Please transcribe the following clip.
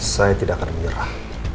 saya tidak akan menyerah